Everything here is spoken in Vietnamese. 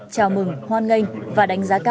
chào mừng hoan nghênh và đánh giá cao